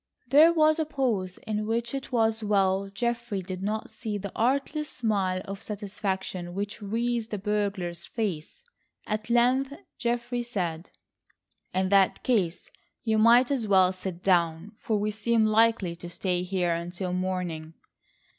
There was a pause in which it was well Geoffrey did not see the artless smile of satisfaction which wreathed the burglar's face. At length Geoffrey said: "In that case you might as well sit down, for we seem likely to stay here until morning."